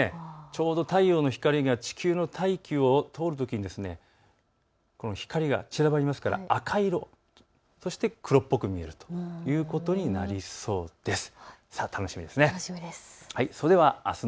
ちょうど太陽の光が地球の大気を通るときに、光が散らばりますから赤色、そして黒っぽく見えるということになりそうです。